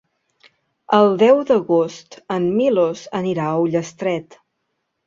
El deu d'agost en Milos anirà a Ullastret.